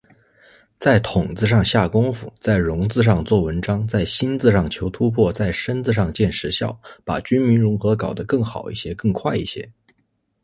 在“统”字上下功夫，在“融”字上做文章，在“新”字上求突破，在“深”字上见实效，把军民融合搞得更好一些、更快一些。